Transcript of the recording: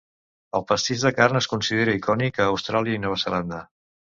El pastís de carn es considera icònic a Austràlia i Nova Zelanda.